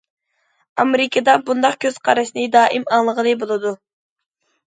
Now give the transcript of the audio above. ئامېرىكىدا بۇنداق كۆز قاراشنى دائىم ئاڭلىغىلى بولىدۇ.